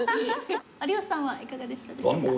有吉さんはいかがでしたでしょうか？